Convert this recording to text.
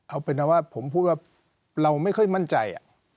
เอาเป็นนะว่าผมพูดว่าเราไม่ค่อยมั่นใจ